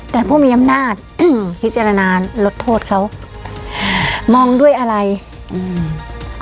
แต่พวกมียำหน้าที่เจรนานลดโทษเขามองด้วยอะไรอืม